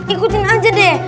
ikutin aja deh